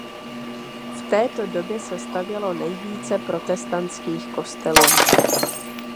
V této době se stavělo nejvíce protestantských kostelů.